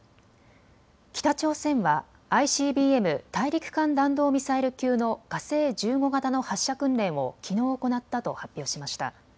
北朝鮮はＩＣＢＭ・大陸間弾道ミサイル級の火星１５型の発射訓練をきのう行ったと発表しました。